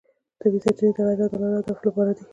طبیعي سرچینې د غیر عادلانه اهدافو لپاره دي.